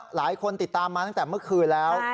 หลายคนติดตามมาตั้งแต่เมื่อคืนแล้ว